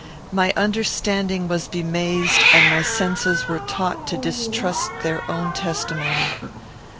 My understanding was bemazed, and my senses were taught to distrust their own testimony.